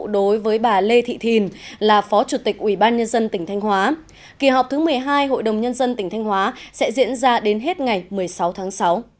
đối với bà lê thị thìn là phó chủ tịch ủy ban nhân dân tỉnh thanh hóa kỳ họp thứ một mươi hai hội đồng nhân dân tỉnh thanh hóa sẽ diễn ra đến hết ngày một mươi sáu tháng sáu